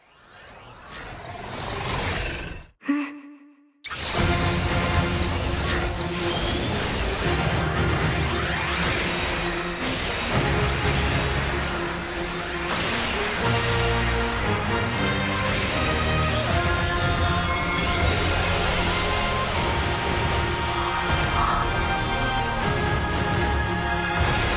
うん。あっ。